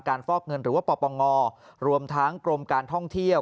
ฟอกเงินหรือว่าปปงรวมทั้งกรมการท่องเที่ยว